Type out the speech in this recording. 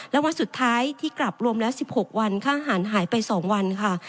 และวันสุดท้ายที่กลับรวมแล้ว๑๖วันค่าอาหารหายไป๒วันค่ะ